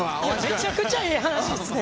めちゃくちゃええ話ですね。